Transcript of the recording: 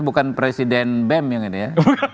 bukan presiden bem yang ini ya